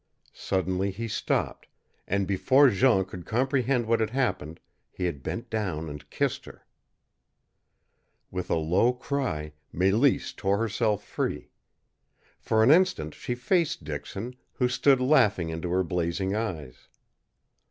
Suddenly he stopped, and before Jean could comprehend what had happened he had bent down and kissed her. With a low cry, Mélisse tore herself free. For an instant she faced Dixon, who stood laughing into her blazing eyes.